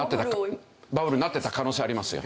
バブルになってた可能性ありますよ。